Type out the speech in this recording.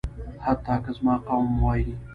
حتی که زما قوم وايي.